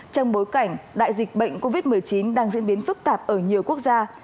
trong bối cảnh đại dịch bệnh covid một mươi chín đang diễn biến phức tạp ở nhiều quốc gia